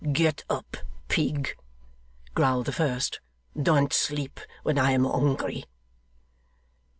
'Get up, pig!' growled the first. 'Don't sleep when I am hungry.